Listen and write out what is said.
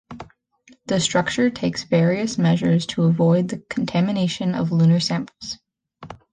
The structure takes various measures to avoid the contamination of lunar samples.